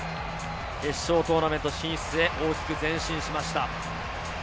決勝トーナメント進出へ大きく前進しました。